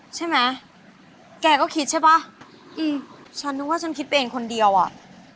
ใช่ไหมแกก็คิดใช่ป่ะอืมฉันนึกว่าฉันคิดไปเองคนเดียวอ่ะ